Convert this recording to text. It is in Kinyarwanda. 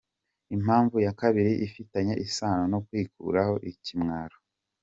Impamvu ya kabiri ifitanye isano no kwikuraho ikimwaro.